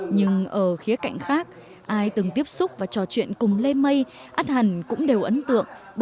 nhưng ở khía cạnh khác ai từng tiếp xúc và trò chuyện cùng lê mây át hẳn cũng đều ấn tượng